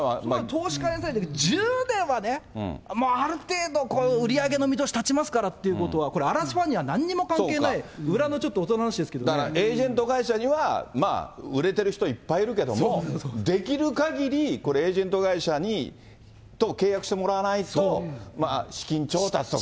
投資家サイドは、１０年は、ある程度、売り上げの見通し立ちますからっていうことは、これ、嵐ファンにはなんにも関係ない、裏のちょっと大人の話ですけどもだからエージェント会社には、売れてる人いっぱいいるけども、できるかぎり、これ、エージェント会社と契約してもらわないと、資金調達とか。